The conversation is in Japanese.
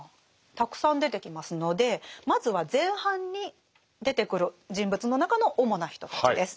たくさん出てきますのでまずは前半に出てくる人物の中の主な人たちです。